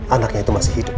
anaknya itu masih hidup